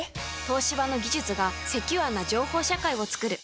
東芝の技術がセキュアな情報社会をつくる